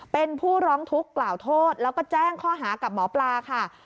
เป็นผู้ร้องทุกข์กล่าวโทษแล้วก็แจ้งข้อหากับหมอปลาค่ะ